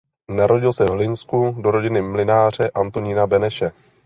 Narodil se v Hlinsku do rodiny mlynáře Antonína Beneše.